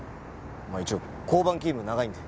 まあ一応交番勤務長いんで。